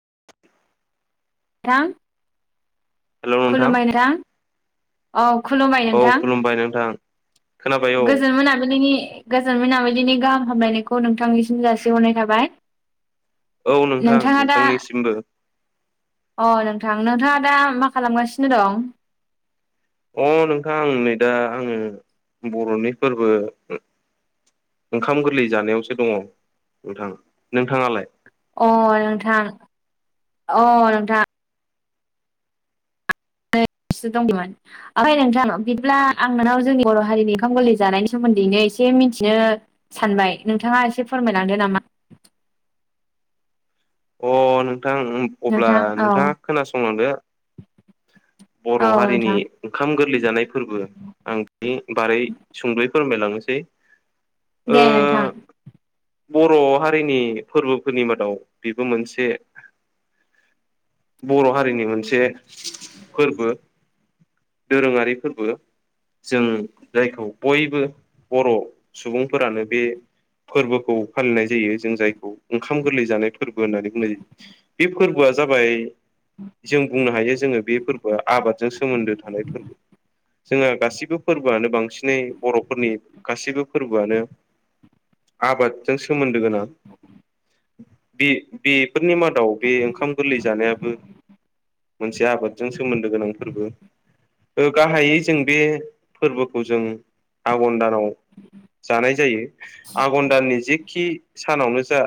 [inaudible] थां हेलौ नोंथां खुलुमबाय औ नोथां औ। खुलुमबाय नोंथां खुलुमबाय नोंथां खोनाबाय औ गोजोन मोनाबिलिनि। गोजोन मोनाबिलिनि गाहाम हामलायनायखौ नोंथांनिसिम जासिहरनाय थाबाय औ नोंथां नोंथाङा दा नोंथांनिसिमबो। अ नोंथां नोंथाङा दा मा खालामगासिनो दं? अ नोंथां आं नै दा आङो बर'नि फोरबो ओंखाम गोरलै जानायावसो दङ नोंथां नोंथाङालाय? अ नोंथां अ नोंथां। दे [unintelligible] दंमोन ओमफ्राय नोंथां बिदिब्ला आं नोंनाव जोंनि बर' हारिनि ओंखाम गोरलै जानाय सोमोन्दैनो एसे मिथिनो सानबाय नोंथाङा एसे फोरमायलांदो नामा? अ नोंथां अब्ला नोंथां औ नोंथाङा खोनासंलांदो [inaudible] बर' हारिनि नोंथां ओंखाम गोरलै जानाय फोरबो आं बेनि बारै सुंदयै फोरमायलांनोसै ओ दे नोंथां बर' हारिनि फोरबोफोरनि मादाव बेबो मोनसे बर' हारिनि मोनसे फोरबो दोरोङारि फोरबो जों जायखौ बयबो बर' सुबुंफोरानो बे फोरबोखौ फालिनाय जायो जों जायखौ ओंखाम गोरलै जानाय फोरबो होननानै बुंनाय जायो बे फोरबोआ जाबाय जों बुंनो हायो जोङो बे फोरबोआ आबादजों सोमोन्दो थानाय फोरबो जोंहा गासिबो फोरबोआनो बांसिनै बर'फोरनि गासिबो फोरबोआनो आबादजों सोमोन्दो गोनां। बे बेफोरनि मादाव बे ओंखाम गोरलै जानायाबो मोनसे आबादजों सोमोन्दो गोनां फोरबो। ओ गाहायै जों बे फोरबोखौ जों आघन दान नाव जानाय जायो आघन दाननि जेखि सानावनो जा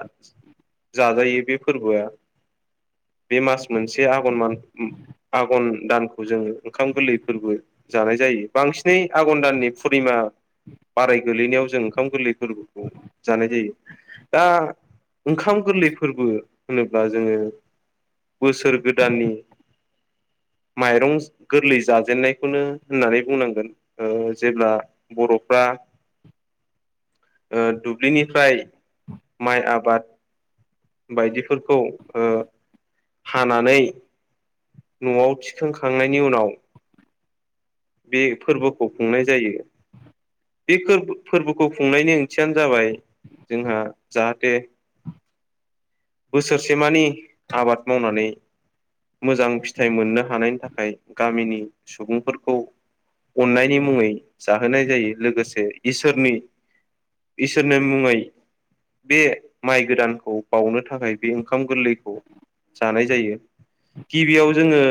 जाजायो बे फोरबोआ बे मास मोनसे आघन मान [unintelligible] आघन दानखौ जोङो ओंखाम गोरलै फोरबो जानाय जायो बांसिनै आघन दाननि पुर्निमा बाराय गोलैनायाव जों ओंखाम गोरलै फोरबोखौ जानाय जायो। दा ओंखाम गोरलै फोरबो होनोब्ला जोङो बोसोर गोदाननि माइरं गोरलै जाजेननायखौनो होननानै बुंनांगोन। ओ जेब्ला बर'फ्रा [inaudible] ओ दुब्लिनिफ्राय माइ आबाद बायदिफोरखौ ओ हानानै न'आव थिखांखांनायनि उनाव बे फोरबोखौ खुंनाय जायो। बे फोरबोखौ खुंनायनि ओंथियानो जाबाय जोंहा जाहाथे बोसोरसेमानि आबाद मावनानै मोजां फिथाइ मोननो हानायनि थाखाय गामिनि सुबुंफोरखौ अन्नायनि मुङै जाहोनाय जायो लोगोसे इसोरनि इसोरनो मुङै बे माइ गोदानखौ बाउनो थाखाय थाखाय बे ओंखाम गोरलैखौ जानाय जायो। गिबियाव जोङो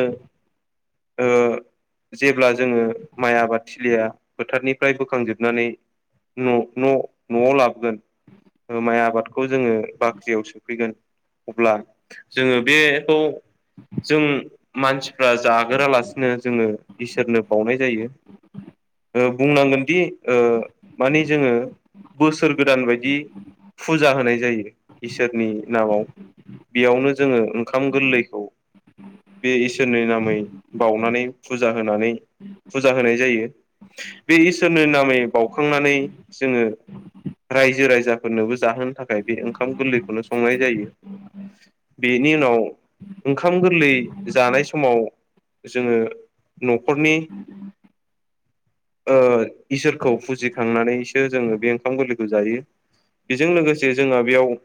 ओ [inaudible] [unintelligible] जेब्ला जोङो माइ आबादथिलिया फोथारनिफ्राय बोखांजोबनानै न' न' न'आव लाबोगोन माइ आबादखौ जोङो बाख्रियाव सो फैगोन अब्ला जोङो बेखौ जों मानसिफ्रा जागोरालासिनो जोङो इसोरनो बाउनाय जायो ओ बुंनांगोनदि ओ माने जोङो बोसोर गोदान बायदि फुजा होनाय जायो। इसो रनि नामाव बेयावनो जोङो ओंखाम गोरलैखौ बे इसोरनि नामै बाउनानै फुजा होनानै फुजा होनाय जायो। बे इसोरनि नामै बाउखांनानै जोङो रायजो राजाफोरनोबो जाहोनो थाखाय बे ओंखाम गोरलैखौनो संनाय जायो। बेनि उनाव ओंखाम गोरलै जानाय समाव जोङो न'खरनि ओ इसोरखौ फुजिखांनानैसो जोङो बे ओंखाम गोरलैखौ जायो। बेजों लोगोसे जोंहा बेयाव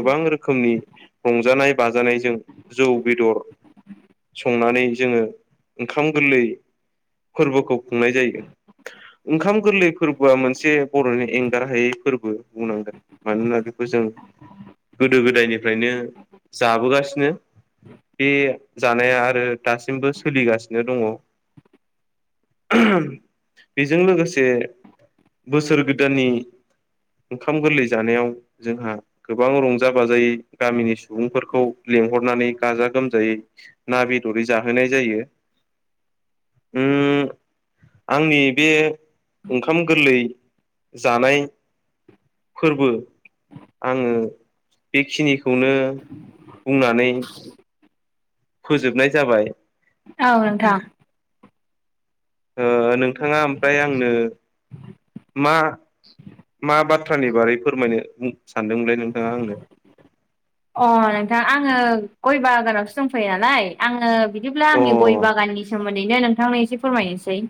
गोबां रोखोमनि रंजानाय बाजानायजों जौ, बेदर संनानै जोङो ओंखाम गोरलै फोरबोखौ खुंनाय जायो। ओंखाम गोरलै फोरबोआ मोनसे बर'नि एंगार हायै फोरबो बुंनांगोन मानोना जों गोदो गोदायनिफ्रायनो जाबोगासिनो बे जानाया आरो दासिमबो सोलिगासिनो दङ। बेजों लोगोसे बोसोर गोदाननि ओंखाम गोरलै जानायाव जोंहा गो गोबां रंजा बाजायै गामिनि सुबुंफोरखौ लेंहरनानै गाजा-गोमजायै ना, बेदर जाहोनाय जायो [inaudible] [unintelligible] ओम आंनि बे ओंखाम गोरलै जानाय फोरबो आङो बेखिनि खौनो बुंनानै फोजोबनाय जाबाय। औ नोथां ओ नोंथाङा ओमफ्राय आंनो मा मा बाथ्रानि बारै फोरमायनो सानदोंमोनलाय नोंथाङा आंनो अ नोंथां आङो गय बागानावसो दंफैयो नालाय आङो बि बिदिब्ला अ आंनि गय बागाननि सोमोन्दैनो नोंथांनो एसे फोरमायनोसै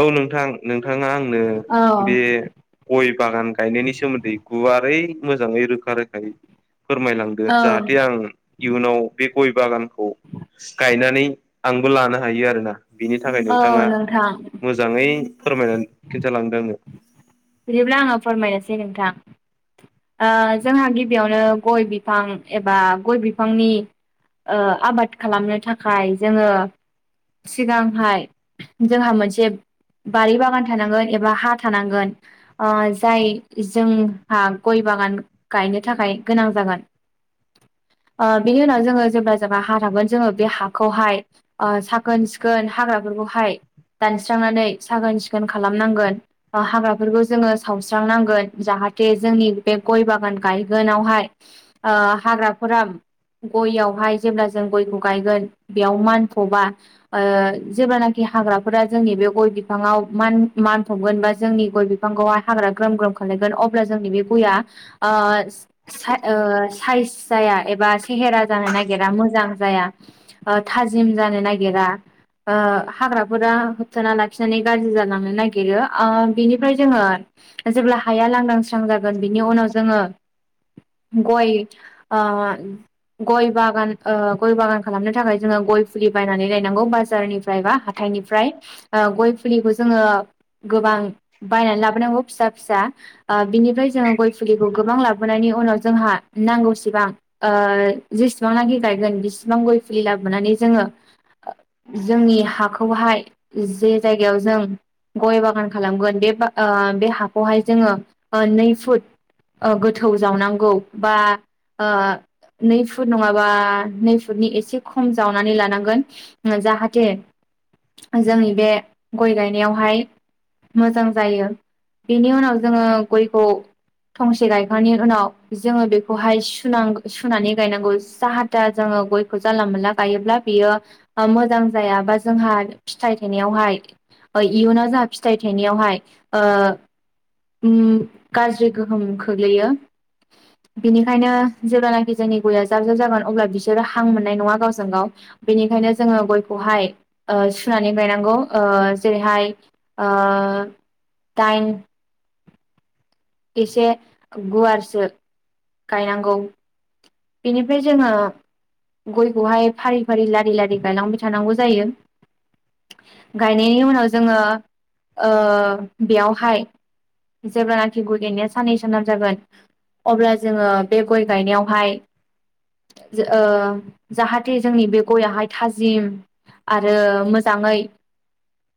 औ नोंथां नोंथाङा आंनो औ बे गय बागान गायनायनि सोमोन्दै गुवारै मोजाङै रोखा रोखायै फोरमायलांदो औ जाहाथे आं इयुनाव बे गय बागानखौ गायनानै आंबो लानो हायो आरोना बिनि थाखाय औ नोंथाङा नोंथां ै फोरमायनानै खिन्थालांदों आंनो बिदिब्ला आङो फोरमायनोसै नोंथां ओ जोंहा गिबियावनो गय बिफां एबा गय बिफांनि ओ आबाद खालामनो थाखाय जोङो सिगांहाय जोंहा मोनसे बारि बागान थानांगोन एबा हा थानांगोन ओ जाय जोंहा गय बागान गायनो थाखाय गोनां जागोन ओ बिनि उनाव जोङो जेब्ला जोंहा हा थागोन जोङो बे हाखौहाय ओ साखोन-सिखोन हाग्रा खौहाय दानस्रांनानै साखोन सिखोन खालामनांगोन बा हाग्राफोरखौ जोङो सावस्रांनांगोन जाहा थे जोंनि बे गय बागान गायगोनावहाय ओ हाग्राफोरा गययावहाय जेब्ला जों गयखौ गायगोन बेयाव मानथबा ओ जेब्लानोखि हाग्राफोरा जोंनि बे गय बिफाङाव मान-मानफबगोन बा जोंनि गय बिफांखौहाय हाग्रा ग्रोम ग्रोम खा लामगोन अब्ला जोंनि बे गया ओ सा साइस जाया एबा सेहेरा जानो नागिरा मो जां जाया थाजिम जानो नागिरा ओ हाग्राफोरा होबथाना लाखिनानै गाज्रि जालांनो नागिरो ओ बिनिफ्राय जोङो जेब्ला हाया लांदां स्रां जागोन बिनि उनाव जोङो गय ओ गय बागान ओ गय बागान खालामनो थाखाय जोङो गय फुलि बायनानै लायनांगौ बाजारनिफ्राय बा हाथाय फ्राय ओ गय फुलिखौ जोङो गोबां बायनानै लाबोनांगौ फिसा फिसा ओ बिनिफ्राय जों गय फुलिखौ गोबां लाबोनायनि उनाव जोंहा नांगौसेबां ओ जेसेबांनो गा गोन बेसेबां गय फुलि लाबोनानै जोङो जोंनि हाखौहाय जे जायगायाव जों गय बागान खालामगोन बे ओ बे हाखौहाय जोङो नै फुट ओ गोथौ जावनांगौ बा ओ नै फुट नङाबा नै फुटनि एसे खम जावनानै लानांगोन जाहाथे जोंनि बे गय गायनायावहाय मोजां जायो बेनि उनाव जोङो गयखौ थंसे गायखांनायनि उनाव जोङो बेखौहाय सुनांगौ सुनानै गायनांगौ जाहाथा जोङो गयखौ जानला मोनला गायोब्ला बियो मोजां जाया बा जोंहा फिथाइ थायनायावहाय इयुनाव जाहा फिथाइ थायनायावहाय ओ गाज्रि गोहोम खख्लैयो बिनिखायनो जेब्लानोखि जोंनि गया जाब जाब जागोन अब्ला बिसोरो हां मोननाय नङा गावजों गाव बेनि खायनो जोङो गयखौहाय सुनानै गायनांगौ ओ जेरैहाय ओ टाइन इसे गुवारसो गायनांगौ बेनिफ्राय जोङो गयखौहाय फारि फारि लारि लारि गायलांबाय थानांगौ जायो। गायनायनि उनाव जोङो ओ बेयावहाय जेब्लानाखि गय गायनाया साननै सानथाम जागोन अब्ला जों ङो बे गय गायनायावहाय ओ जाहाथे जोंनि बे गयाहाय थाजिम आरो मोजाङै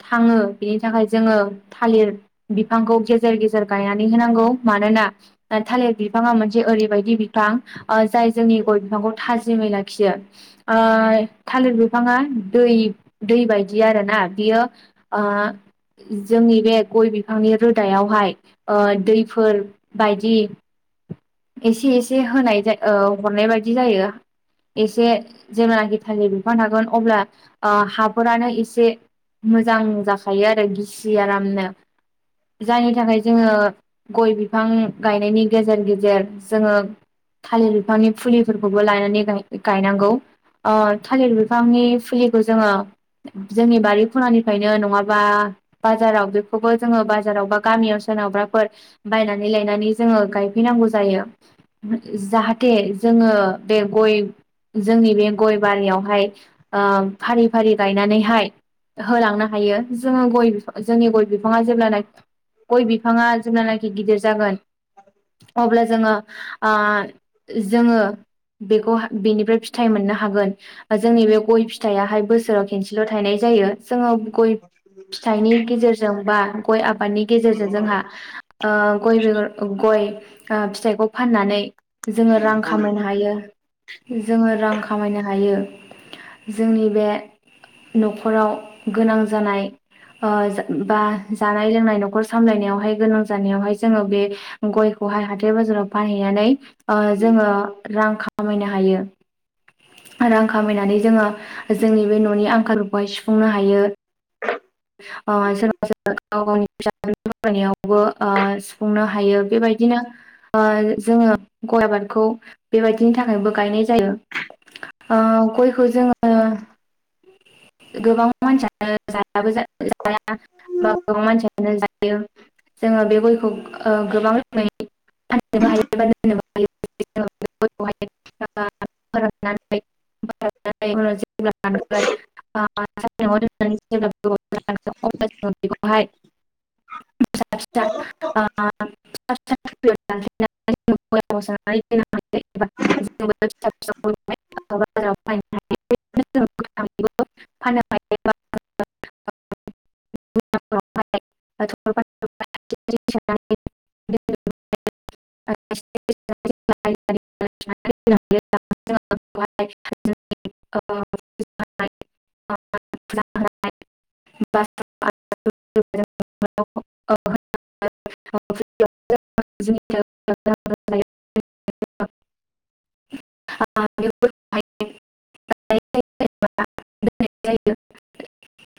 थाङो बिनि थाखाय जोङो थालिर बिफांखौ गेजेर गेजेर गायनानै होनांगौ। मानोना थालिर बिफाङा मोन से ओरैबायदि बिफां ओ जाय जोंनि गय बिफांखौ थाजिमै लाखियो ओ थालिर बिफाङा दै दै बायदि आरोना बियो ओ जोंनि बे गय बिफांनि रोदायावहाय ओ दैफोर बायदि एसे एसे होनाय ओ हरनाय बायदि जायो। एसे जेब्लानाखि थालिर बिफां थागोन अब्ला ओ हाफोरानो एसे मोजां जाखायो आरो गिसि आरामनो। जायनि थाखाय जोङो गय बिफां गायनायनि गेजेर गेजेर जोङो थालिर बिफांनि फुलिफोरखौबो लायनानै गाय गायनांगौ। ओ थालिर बिफांनि फुलिखौ जोङो जोंनि बारि खनानिफ्रायनो नङाबा बाजाराव बेखौबो जोङो बाजाराव बा गामियावसो सोनावबाफोर बायनानै लायनानै जोङो गायफैनांगौ जायो। [unintelligible] जाहाथे जोङो बे गय जोंनि बे गय बारियावहाय ओ फारि फारि गायनानैहाय होलांनो हायो जोङो गय बिफ जोंनि गय बिफाङा जेब्लानाखि गय बिफाङा जेनालाखि गिदिर जागोन अब्ला जोङो आ जोङो बेखौ हा बेनिफ्राय फिथाइ मोननो हागोन जोंनि बे गय फिथाइआहाय बोसोराव खेनसेल' थाइनाय जायो। जायो जोङो गय फिथाइनि गेजेरजों बा गय आबादनि गेजेरजों जोंहा ओ गय बेगर गय फिथाइखौ फाननानै जोङो रां खामायनो हायो जोङो रां खामायनो हायो। जोंनि बे न'खराव गोनां जानाय बा जानाय लोंनाय न'खर सामलायनायावहाय गोनां जानायावहाय जोङो बे गयखौ हाथाय बाजाराव फानहैनानै ओ जोङो रां खामायनो हायो। रां खामायनानै जोङो जोंनि बे न'नि आंखालफोरखौहाय सुफुंनो हायो। ओ सोरबा सोरबा गाव गावनि फिसा फरायनायावबो सुफुंनो हायो। बेबायदिनो ओ जोङो गय आबादखौ बेबायदिनि थाखायबो गायनाय जायो। ओ गयखौ जोङो गोबां मानसियानो जायाबो जाया। बा गोबां मानसियानो जायो जोङो बे गयखौ ओ गोबां रोखोमै [unintelligible] [unintelligible] [unintelligible] [unintelligible] [unintelligible] [unintelligible] [unintelligible] [unintelligible] [unintelligible] [unintelligible] [unintelligible] [unintelligible] [unintelligible] [unintelligible] [unintelligible]